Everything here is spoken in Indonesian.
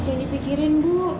jangan dipikirin bu